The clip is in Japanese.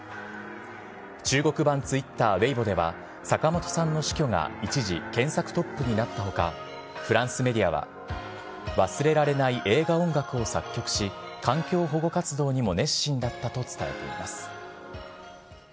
中国版ツイッター、ウェイボでは、坂本さんの死去が一時、検索トップになったほか、フランスメディアは、忘れられない映画音楽を作曲し、環境保護活動にも熱心だったと伝えています。